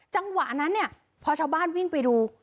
จังหวะนั้นเนี่ยพอชาวบ้านวิ่งไปดู